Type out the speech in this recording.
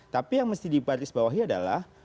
tapi yang mesti diparisbawahi adalah